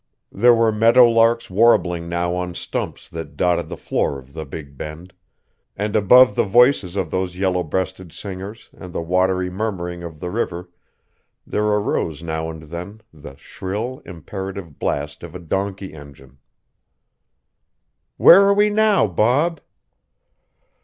There were meadow larks warbling now on stumps that dotted the floor of the Big Bend, and above the voices of those yellow breasted singers and the watery murmuring of the river there arose now and then the shrill, imperative blast of a donkey engine. "Where are we now, Bob?"